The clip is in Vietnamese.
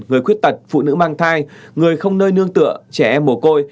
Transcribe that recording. người khuyết tật phụ nữ mang thai người không nơi nương tựa trẻ em mồ côi